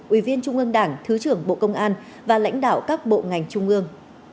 ủy viên trung ương đảng thứ trưởng bộ công an và lãnh đạo các bộ ngành trung ương